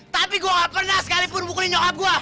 tapi gue gak pernah sekalipun mukulin nyokap gue